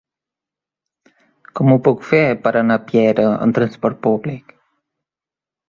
Com ho puc fer per anar a Piera amb trasport públic?